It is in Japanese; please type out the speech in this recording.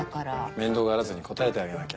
面倒がらずに答えてあげなきゃ。